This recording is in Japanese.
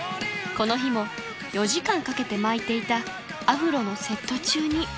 ［この日も４時間かけて巻いていたアフロのセット中に］